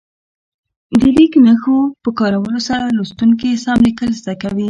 د لیک نښو په کارولو سره لوستونکي سم لیکل زده کوي.